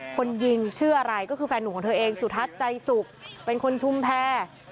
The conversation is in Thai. คนยิงชื่ออะไรก็คือแฟนหนุ่มของเธอเองสุทัศน์ใจสุขเป็นคนชุมแพร